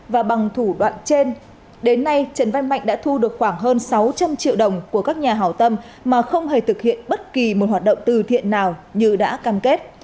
và bằng thủ đoạn trên đến nay trần văn mạnh đã thu được khoảng hơn sáu trăm linh triệu đồng của các nhà hảo tâm mà không hề thực hiện bất kỳ một hoạt động từ thiện nào như đã cam kết